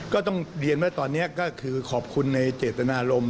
ก็ต้องเรียนว่าตอนนี้ก็คือขอบคุณในเจตนารมณ์